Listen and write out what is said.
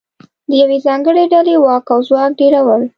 د یوې ځانګړې ډلې واک او ځواک ډېرول